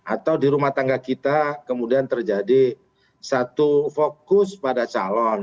atau di rumah tangga kita kemudian terjadi satu fokus pada calon